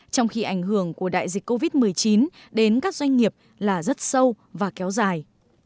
trong khi ảnh hưởng của đại dịch covid một mươi chín đến các doanh nghiệp là rất sâu và kéo dài